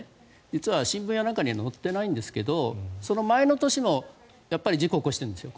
実は新聞や何かには載っていないんですがその前の年にもやっぱり事故を起こしているんですよ